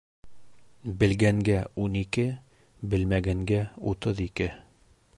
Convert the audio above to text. Белгәнгә ун ике, белмәгәнгә утыҙ ике.